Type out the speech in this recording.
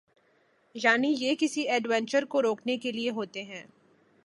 یعنی یہ کسی ایڈونچر کو روکنے کے لئے ہوتے ہیں۔